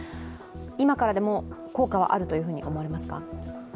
今からでも効果はあると思われますか？